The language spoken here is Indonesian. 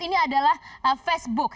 ini adalah facebook